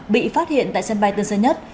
bị phát hiện tại sân bay tân sơn nhất